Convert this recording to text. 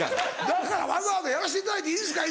だからわざわざ「やらしていただいていいですか」